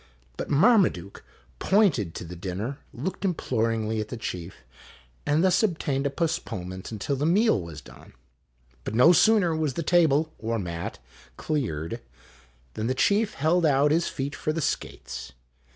But Mar o maduke pointed to the dinner, looked imploringly at the chief, and thus obtained a postponement until the meal was done. But no sooner was the table or mat cleared, than the chief held out his feet for the skates.